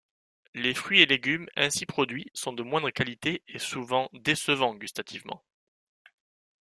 Les fruits et légumes ainsi produits sont de moindre qualité et souvent décevants gustativement.